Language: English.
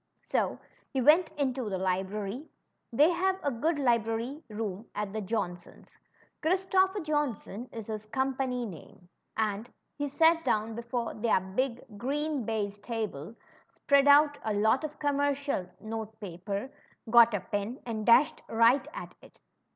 So he went into the library — they have a good library 126 CHRISTOPHER'S "AT HOME. 127 room at the Johnsons' (Christopher Johnson is his com pany name) — and he sat down before their big green baize table, spread out a lot of commercial note paper, got a pen, and dashed right at it.